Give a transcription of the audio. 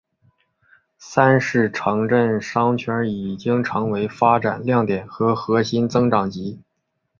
三是城镇商圈已经成为发展亮点和核心增长极。